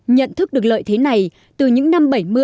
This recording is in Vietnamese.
nhận thức được lợi thế này từ những năm bảy mươi